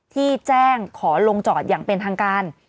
ที่แจ้งขอลงจอดอย่างเป็นทางการ